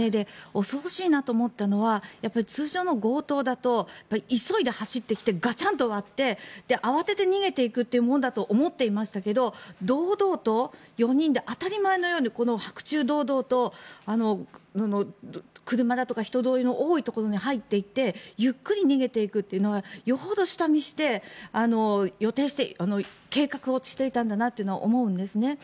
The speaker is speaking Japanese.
恐ろしいなと思ったのは通常の強盗だと急いで走ってきてガチャンと割って慌てて逃げていくというものだと思っていましたけど堂々と４人で当たり前のようにこの白昼堂々と車だとか人通りの多いところに入っていってゆっくり逃げていくというのはよほど下見して計画をしていたんだなと思うんです。